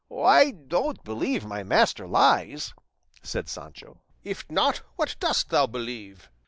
"I don't believe my master lies," said Sancho. "If not, what dost thou believe?"